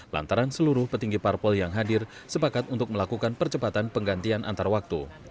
lantaran seluruh petinggi parpol yang hadir sepakat untuk melakukan percepatan penggantian antar waktu